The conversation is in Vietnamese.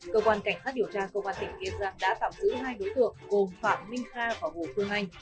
cơ quan cảnh sát điều tra công an tỉnh kiên giang đã tạm giữ hai đối tượng gồm phạm minh kha và hồ phương anh